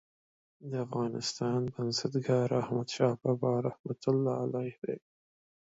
د افغانستان بنسټګر احمدشاه بابا رحمة الله علیه دی.